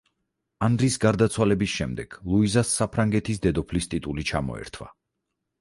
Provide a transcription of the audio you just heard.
ანრის გარდაცვალების შემდეგ ლუიზას საფრანგეთის დედოფლის ტიტული ჩამოერთვა.